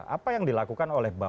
apa yang dilakukan oleh bapak